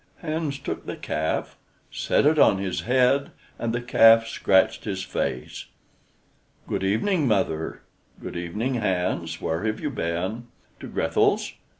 Hans took the calf, set it on his head, and the calf scratched his face. "Good evening, mother." "Good evening, Hans. Where have you been?" "To Grethel's."